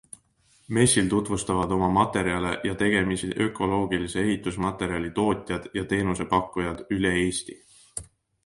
Messil tutvustavad oma materjale ja tegemisi ökoloogilise ehitusmaterjali tootjad ja teenusepakkujad üle Eesti.